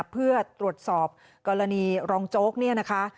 เพื่อตรวจสอบกรณีรองโจ๊ก